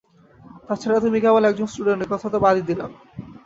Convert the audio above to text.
তাছাড়া তুমি কেবল একজন স্টুডেন্ট একথা তো বাদই দিলাম।